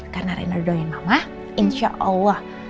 karena reina doain mama insya allah